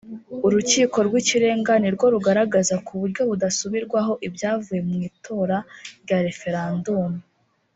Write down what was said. Urukiko rw’Ikirenga ni rwo rugaragaza ku buryo budasubirwaho ibyavuye mu itora rya referandumu